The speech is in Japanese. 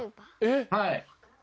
はい。